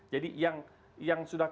jadi yang sudah